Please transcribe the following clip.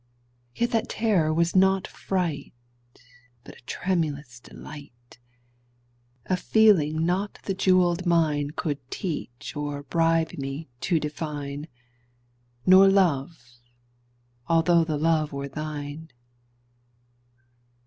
Yet that terror was not fright, But a tremulous delight— A feeling not the jewelled mine Could teach or bribe me to define— Nor Love—although the Love were thine.